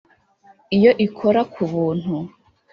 iyo ikora kubuntu.